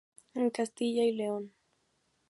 En Castilla y León.